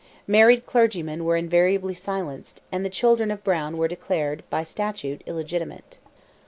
Married clergymen were invariably silenced, and the children of Browne were declared by statute illegitimate.